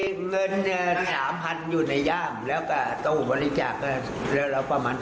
เงิน๓๐๐๐อยู่ในย่างแล้วก็ตัวบริจาคเรียกแล้วประมาณ๒๐๐๐